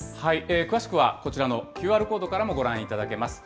詳しくはこちらのＱＲコードからもご覧いただけます。